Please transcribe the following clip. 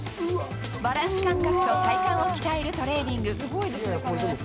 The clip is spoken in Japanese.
バランス感覚と体幹を鍛えるトレーニング。